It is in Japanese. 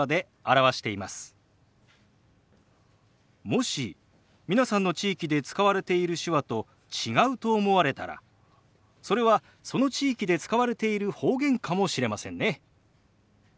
もし皆さんの地域で使われている手話と違うと思われたらそれはその地域で使われている方言かもしれませんね。